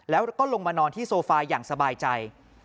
แล้วก็ลงมานอนที่โซฟาอย่างสบายใจ